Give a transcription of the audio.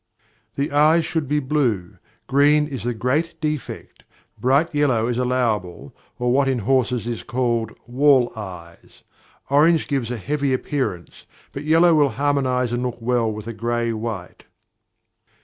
The eyes should be blue; green is a great defect; bright yellow is allowable, or what in horses is called "wall eyes." Orange gives a heavy appearance; but yellow will harmonise and look well with a gray white.